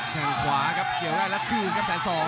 แข่งขวาครับเกี่ยวได้แล้วคืนครับแสนสอง